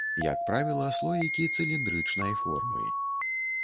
Як правіла, слоікі цыліндрычнай формы.